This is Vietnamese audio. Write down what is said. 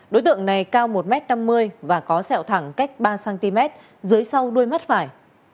đối tượng này cao một m năm mươi và có sẹo thẳng cách ba cm dưới sau đuôi mắt phải